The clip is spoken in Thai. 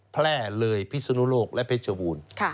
แพร่เลยพิศนุโลกและเพชรบูรณ์